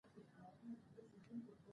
نړیوال بازار ته لار پیدا کړئ.